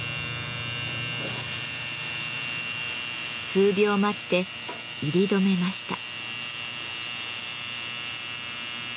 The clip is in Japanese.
数秒待って煎り止めました。